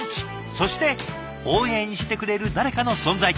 そして応援してくれる誰かの存在。